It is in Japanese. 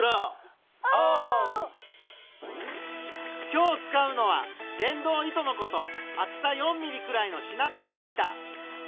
今日使うのは電動糸のこと厚さ４ｍｍくらいのシナベニヤ板。